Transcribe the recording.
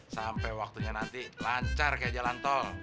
sampai waktunya nanti lancar kayak jalan tol